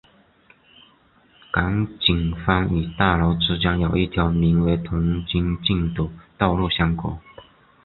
港景峰与大楼之间有一条名为童军径的道路相隔。